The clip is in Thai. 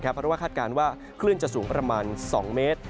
เพราะว่าคาดการณ์ว่าคลื่นจะสูงประมาณ๒เมตร